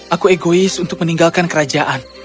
aku egois untuk meninggalkan kerajaan